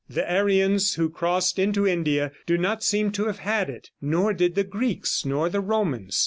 The Aryans who crossed into India do not seem to have had it. Nor did the Greeks, nor the Romans.